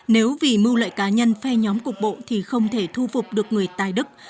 nếu vì mưu lợi cá nhân phe nhóm cục bộ thì không thể thu phục được người tài đức